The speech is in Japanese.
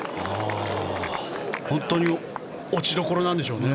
本当に落ちどころなんでしょうね。